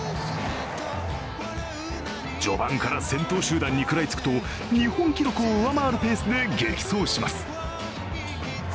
序盤から先頭集団に食らいつくと、日本記録を上回るペースで激走します。